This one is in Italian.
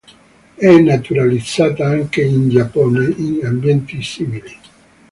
È naturalizzata anche in Giappone in ambienti simili.